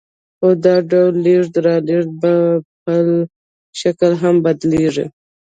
خو دا ډول لېږد رالېږد په بل شکل هم بدلېږي